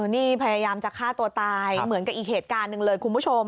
นี่พยายามจะฆ่าตัวตายเหมือนกับอีกเหตุการณ์หนึ่งเลยคุณผู้ชม